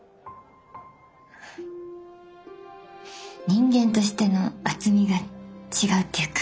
人間としての厚みが違うっていうか。